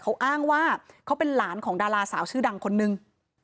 เขาอ้างว่าเขาเป็นหลานของดาราสาวชื่อดังคนนึง